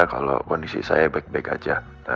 kalau kondisi saya baik baik saja